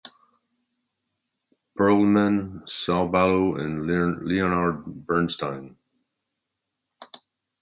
Perelman, Saul Bellow and Leonard Bernstein.